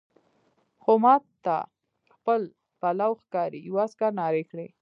خو ما ته خیال پلو ښکاري، یوه عسکر نارې کړې.